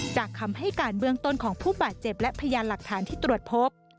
คำให้การเบื้องต้นของผู้บาดเจ็บและพยานหลักฐานที่ตรวจพบ